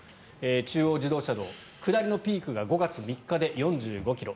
中央自動車道、下りのピークが５月３日で４５ｋｍ。